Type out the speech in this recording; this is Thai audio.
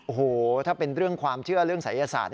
โอ้โหถ้าเป็นเรื่องความเชื่อเรื่องศัยศาสตร์